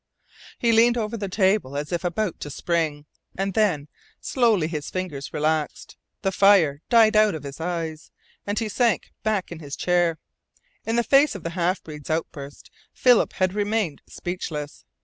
He leaned over the table as if about to spring. And then, slowly, his fingers relaxed, the fire died out of his eyes, and he sank back in his chair. In the face of the half breed's outburst Philip had remained speechless.